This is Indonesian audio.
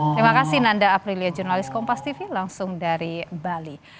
terima kasih nanda aprilia jurnalis kompas tv langsung dari bali